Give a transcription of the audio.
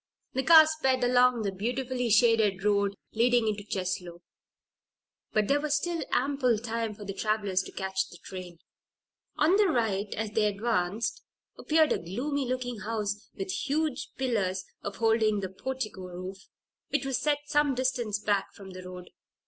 The car sped along the beautifully shaded road leading into Cheslow; but there was still ample time for the travelers to catch the train. On the right hand, as they advanced, appeared a gloomy looking house with huge pillars upholding the portico roof, which was set some distance back from the road.